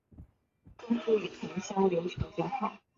钟复与同乡刘球交好。